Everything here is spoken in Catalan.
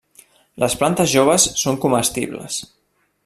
Les plantes joves són comestibles.